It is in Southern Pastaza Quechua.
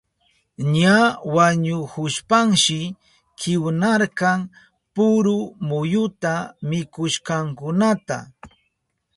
Ña wañuhushpanshi kiwnarka puru muyuta mikushkankunata.